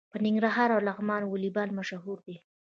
په ننګرهار او لغمان کې والیبال مشهور دی.